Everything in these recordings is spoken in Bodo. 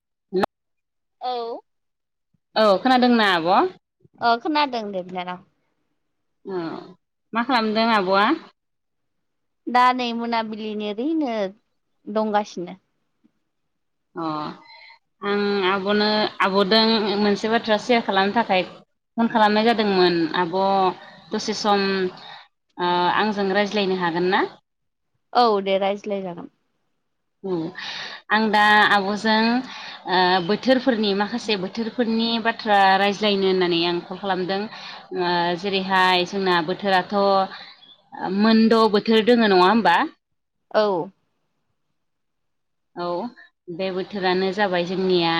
[inaudible] औ औ खोनादोंना आब'? अ खोनना दे बिनानाव। औ मा खालामदों आब'आ? दा नै मोनाबिलिनि ओरैनो दंगासिनो। अ आं आबनो आब'दों मोनसे बाथ्रा सेयार खालामनो थाखाय फन खालामनाय जादोंमोन आब' दसे सम आंजों रायज्लायनो हागोन ना? औ दे रायज्लायजागोन। औ आं दा आब'जों ओ बोथोरफोरनि माखासे बोथोरफोरनि बा बाथ्रा रायज्लायनो होननानै आं कल खालामदों। जेरैहाय जोंना बोथोराथ' मोनद' बोथोर दोङ नङा होमबा। औ औ बे बोथोरानो जाबाय जोंनिया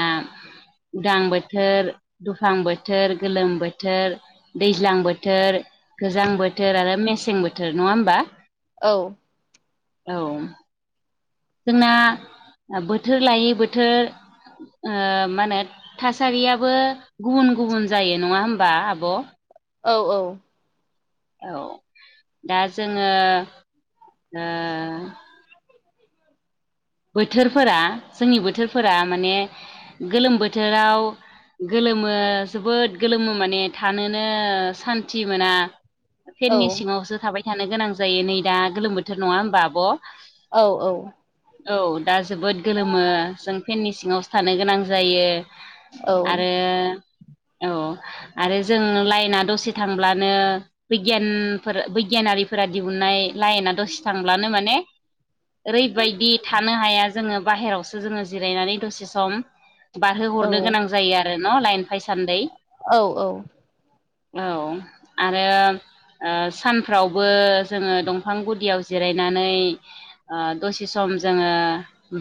उदां बोथोर दुफां बोथोर गोलोम बोथोर दैज्लां बोथोर गोजां बोथोर आरो मेसें बोथोर नङा होमबा। औ औ जोंना बोथोर लायै बोथोर ओ मा होनो थासारियाबो गुबुन गुबुन जायो नङा होमबा आब'। औ औ औ दा जोङो ओ बोथोरफोरा जोंनि बोथोरफोरा माने गोलोम बोथोराव गोलोमो जोबोद गोलोमो माने थानोनो सान्थि मोना। औ फेननि सिङावसो थाबाय थानो गोनां जायो नै दा गोलोम बोथोर नङा होमबा आब'। औ औ औ दा जोबोद गोलोमो जों फेननि सिङावसो थानो गोनां जायो। औ आरो औ आरो जों लाइना दसे थांब्लानो बिगियान बैगियानारिफोरा दिहुननाय लाइना दसे थांब्लानो माने ओरैबायदि थानो हाया। जोङो बाहेरायावसो जोङो जिरायनानै दसे सम बारहोहरनो औ गोनां जायो आरो न' लाइन फाइसान्दै औ औ आरो सानफ्रावबो जोङो दंफां गुदियाव जिरायनानै दसे सम जोङो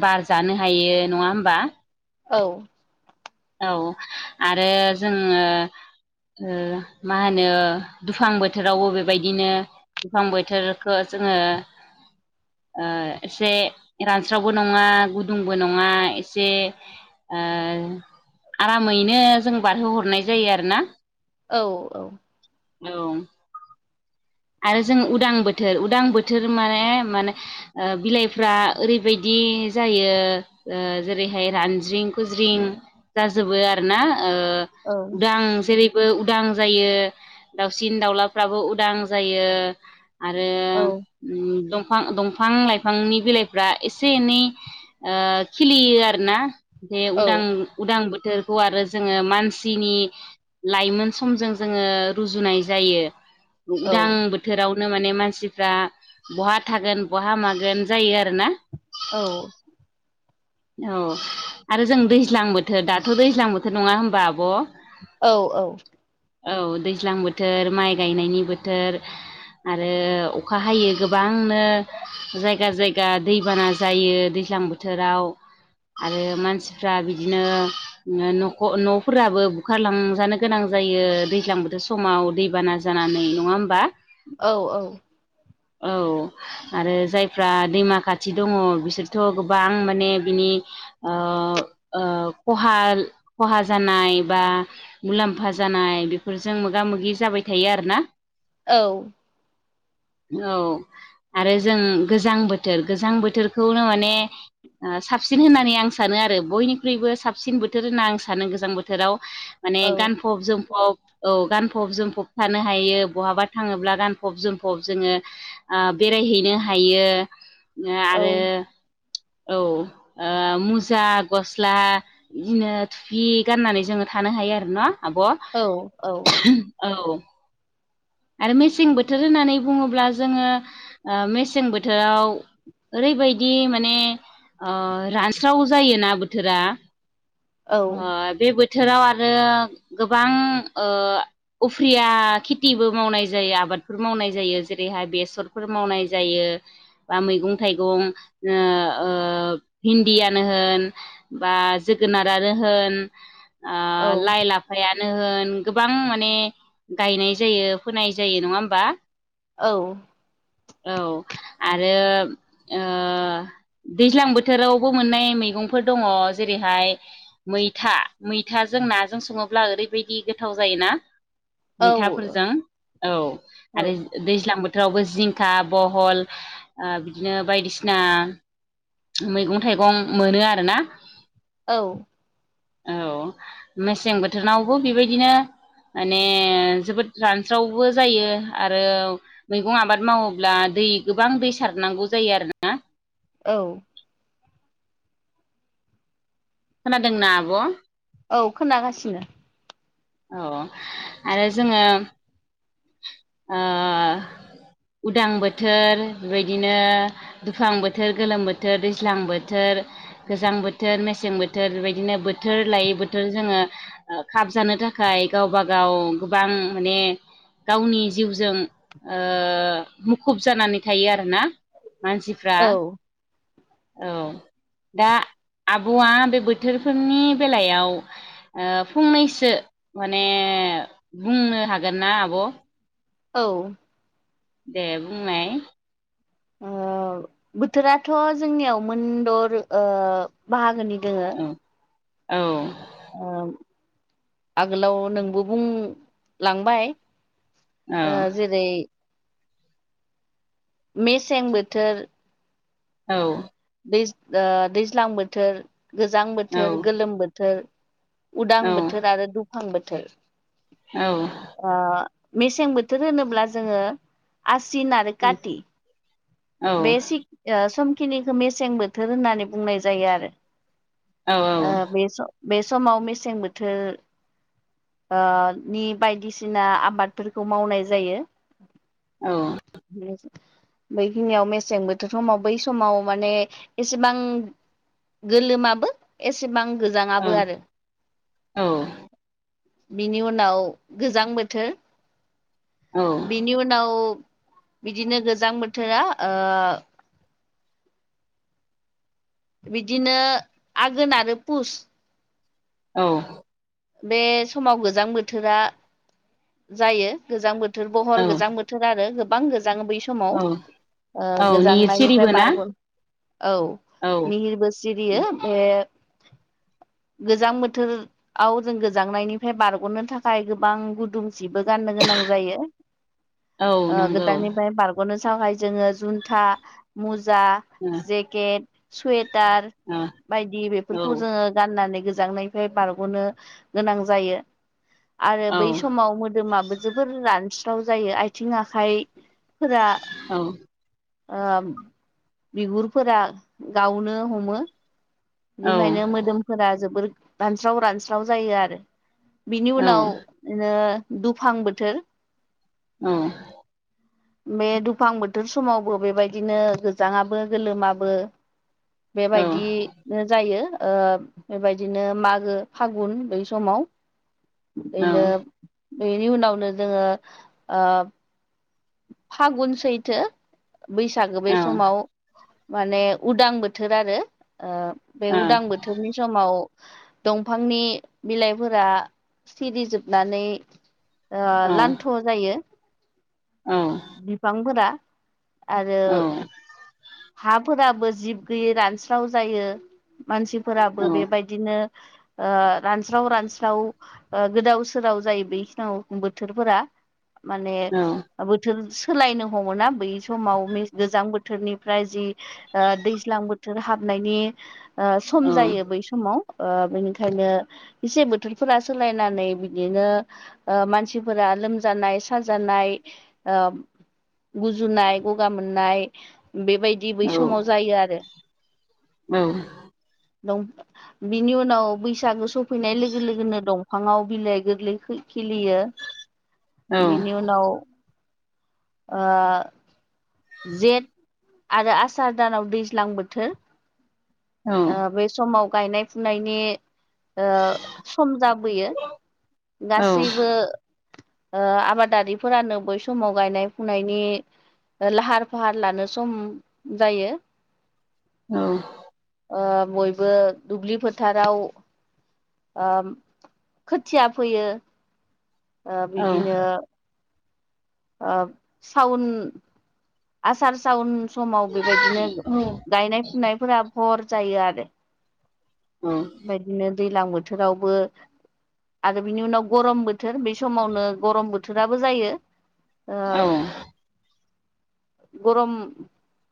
बार जानो हायो नङा होमबा? औ औ आरो जोङो मा होनो दुफां बोथोरावबो बेबायदिनो बिफां बोथोरखौ जोङो ओ एसे रानस्रावबो नङा गुदुंबो नङा एसे ओ आरामैनो जों बारहोहरनाय जायो आरोना। औ औ औ आरो जों उदां बोथोर उदां बोथोर माने माने बिलाइफ्रा ओरैबायदि जायो जेरैहाय रानज्रिं खुज्रिं जोबो आरोना दा आं जेरै बो उदां जायो दाउसिन दाउलाफ्राबो उदां जायो। आरो दंफां दंफां लाइफांनि बिलाइफ्रा एसे एनै खिलियो आरोना जे उदां उदां बोथोरखौ आरो जोङो मानसिनि लाइमोन समजों जोङो रुजुनाय जायो उदां बो थोरावनो माने मानसिफ्रा बहा थागोन बहा मागोन जायो आरोना। औ औ आरो जों दैज्लां बोथोर दाथ' दैज्लां बो थोर नङा होमबा आब'? औ औ औ दैज्लां बोथोर माइ गायनायनि बोथोर आरो अखा हायो गोबांनो जायगा जायगा दैबाना जायो दैज्लां बोथोराव आरो मानसिफ्रा बिदिनो नख' न'फोराबो बुखारलांजानो गोनां जायो दैज्लां बोथोर समाव दैबाना जानानै नङा होमबा? औ औ औ आरो जायफ्रा दैमा खाथि दङ बिसोरथ' गोबां माने बिनि खहा खहा जानाय बा मुलाम्फा जानाय बेफोरजों मोगा मोगि जाबाय थायो आरोना। औ औ आरो जों गोजां बोथोर गोजां बोथोरखौनो माने साबसिन होननानै आं सानो आरो बयनिख्रुइबो साबसिन बोथोर होनना आं सानो गोजां बोथोराव माने गानफब जोमफब औ गानफब जोमफब थानो हायो। बहाबा थाङोब्ला गानफब जोमफब जोङो बेरायहैनो हायो। आरो औ मुजा गस्ला बिदिनो थुफि गाननानै जोङो थानो हायो आरोन' आब'? औ औ औ आरो मेसें बोथोर होननानै बुङोब्ला जोङो मेसें बोथोराव ओरैबायदि माने रानस्राव जायोना बोथोरा ह बे बो बोथोराव आरो गोबां उफ्रिया खेथिबो मावनाय जायो आबादफोर मावनाय जायो जेरैहाय बेसरफोर मावनाय जायो बा मैगं थाइगं ओ भिन्दियानो होन बा जोगोनारानो होन ओ लाइ लाफायानो होन गोबां माने गायनाय जायो। फोनाय जायो नङा होमबा? औ औ आरो दैज्लां बोथोरावबो मोननाय मैगंफोर दङ जेरैहाय मैथा मैथाजों नाजों सङोब्ला ओरैबायदि गोथाव जायोना औ मैथाफोरजों औ आरो दैज्लां बोथोरावबो जिंखा बहल बिदिनो बायदिसिना मैगं थाइगं मोनो आरोना औ [inaudible] औ मेसें बोथोरनावबो बेबायदिनो माने जोबोद रान हास्रावबो जायो आरो मैगं आबाद मावोब्ला दै गोबां दै सारनांगौ जायो आरोना। औ खोनादोंना आब'? औ खोनागासिनो। औ आरो जोङो ओ उदां बोथोर बेबायदिनो दुफ्लां बोथोर, गोलोम बोथोर, दैज्लां बोथोर, गोजां बोथोर मेसें बोथोर बेबायदिनो बोथोर लायै बोथोर जोङो खाबजानो थाखाय गावबा गाव गोबां माने गावनि जिउजों ओ मुखुब जानानै थायो आरोना मानसि फ्रा औ औ दा आब'आ बे बोथोरफोरनि बेलायाव फंनैसो माने बुंनो हागोन ना आब' औ दे बुंनाय ओ बोथोराथ' जोंनियाव मोनदर बाहागोनि दोङो औ औ आगोलाव नोंबो बुंलांबाय औ ओ जेरै मेसें बोथोर औ दै दैज्लां बोथोर गोजां औ बोथोर गोलोम बोथोर उदां बोथोर आरो दुफां बोथोर औ ओ मेसें बोथोर होनोब्ला जोङो आसिन आरो काति औ बे समखिनि मेसें बोथोर होननानै बुंनाय जायो आरो औ बे सम बे समाव मेसें बोथोर ओ नि बायदिसिना आबादफोरखौ मावनाय जायो औ बैखिनियाव मेसें बोथोर समाव बै समाव माने एसेबां गोलोमाबो एसेबां गोजाङाबो आरो बिनि उनाव गोजां बोथोर औ बेनि उनाव बिदिनो गोजां बोथोरा ओ बिदिनो आघोन आरो पुस औ बे समाव गोजां बोथोरा जायो गोजां बोथोर बहर गोजां बो थोर आरो गोबां गोजां बै स समाव औ ओ औ गोजांनायनिफ्राय निरसिरिबो ना बारग औ औ मिहिर बोसोर सिरियो बे गोजां बोथोर औ जों गोजांनायनिफ्राय बारग'नो थाखाय गोबां गुदुं जिबो गाननो गोनां जायो औ नंगौ गोजाननिफ्राय बार गनो सहाय जोङो जुन्था मुजा ओ जेकेट सुवेटार बायदि ओ बेफोरखौ जोङो गाननानै गोजांनायनिफ्राय बार ग गोनां जायो आरो औ बै समाव मोदोमाबो जोबोर रानस्राव जायो आथिं आखाइफोरा औ ओ बिगुरफोरा गावनो हमो औ बिनिखायनो मोदोमफोरा जोोबोर रानस्राव रानस्राव जायो आरो बिनि औ उनाव बिनो दुफां बोथोर औ बे दुफां बोथोर समावबो बेबायदिनो गोजाङाबो गोलोमाबो औ बेबायदिनो जायो ओ बेबायदिनो मागो फागुन बै समाव औ बेनो बेनि उनावनो जोङो ओ फागुन सैथो बैसागो बे समाव माने उदां बोथोर आरो ओ बे उदां बोथोरनि समाव दंफांनि बिलाइफोरा सिरिजोबनानै ओ लान्थ' जायो। औ बिफांफोरा आरो हाफोराबो जिब गैयै रानस्राव जायो मानसिफोराबो बेबाय दिनो ओ रानस्राव रानस्राव ओ गोदाव सोराव जायो बेखि बोथोरफोरा माने बोथोर सोलायनो हमो ना बै समाव गोजां बोथोरनिफ्राय जि ओ दैज्लां बोथोर हाबनायनि ओ सम जायो बै सम माव ओ बेनिखायनो एसे बोथोरफोरा सोलायनानै बिदिनो ओ मानसिफोरा लोमजानाय साजानाय ओ गुजुनाय गगा मोननाय बेबाय बिदि बै समाव जायो आरो औ नों बिनि उनाव बैसागो सफैनाय लोगो लोगोनो दंफाङाव बिलाइ गोरलै खिलियो [inaudible] औ बिनि उनाव आ जेठ आरो आसार दानाव दैज्लां बोथोर औ औ ओ बे समाव गायनाय-फुनायनि ओ सम जाबोयो गासैबो ओ आबादारिफोरानो बै समाव गायनाय फुनायनि लाहार फाहार लानो सम जायो। औ ओ बयबो दुब्लि फोथाराव ओ खोथिया फोयो ओ बिदिनो ओ साउन आसार सावन समाव बेबायदिनो गायनाय फुनायफोरा भर जायो आरो औ बायदिनो दैलां बोथोरावबो आरो बिनि उनाव गरम बोथोर बे समावनो गरम बोथोराबो जायो ओ औ-औ-औ-औ-औ-औ-औ-औ-औ-औ-औ-औ-औ-औ-औ-औ [inaudible] गरम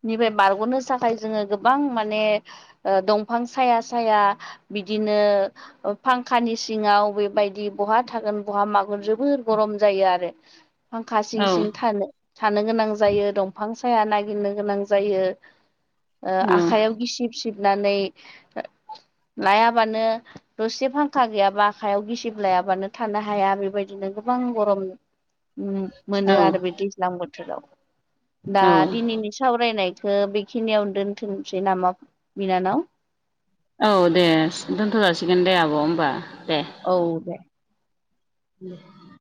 निफ्राय बारग'नो थाखाय जोङो गोबां माने ओ दंफां साया साया बिदिनो ओ फांखानि सिङाव बेबायदि बहा थागोन बहा मागोन जोबोर गरम जायो आरो। फांखा सिं सिं थानो थानो गोनां जायो दंफां साया नागिरनो गोनां जायो। ओ आखाइयाव गिसिब सिबनानै लायाबानो दसे फांखा गैयाबा आखाइयाव गिसिब लायाबानो थानो हाया बेबायदिनो गोबां गरम ओम मोनो आरो बे दैज्लां बोथोराव दा दिनैनि सावरायनाय खो बेखिनियावनो दोनथोमसै नामा बिनानाव? औ दे दोनथ'जासिगोन दे आब' होमबा दे औ दे [inaudible]